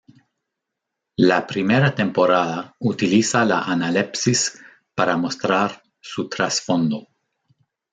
La primera temporada utiliza la analepsis para mostrar su trasfondo.